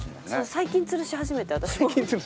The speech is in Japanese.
最近吊るし始めて私も。